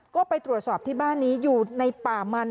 ก็ไปตรวจสอบที่บ้านนี้อยู่ในป่ามัน